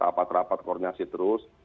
rapat rapat koordinasi terus